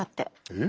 え？